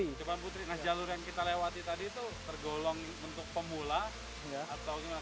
nah jalur yang kita lewati tadi itu tergolong bentuk pemula atau gimana